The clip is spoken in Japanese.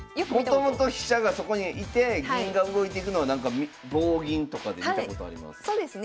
もともと飛車がそこに居て銀が動いていくのは棒銀とかで見たことあります。